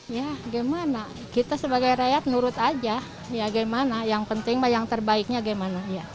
ya gimana kita sebagai rakyat nurut aja ya gimana yang penting yang terbaiknya gimana